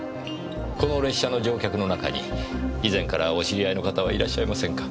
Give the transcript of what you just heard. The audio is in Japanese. この列車の乗客の中に以前からお知り合いの方はいらっしゃいませんか？